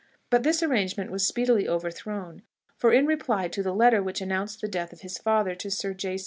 But this arrangement was speedily overthrown; for in reply to the letter which announced the death of his father to Sir J.